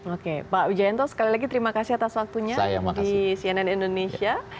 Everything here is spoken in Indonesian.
oke pak wijayanto sekali lagi terima kasih atas waktunya di cnn indonesia